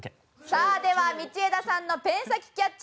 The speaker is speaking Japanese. さあでは道枝さんのペン先キャッチチャレンジ